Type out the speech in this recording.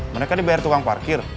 mereka dibayar tukang parkir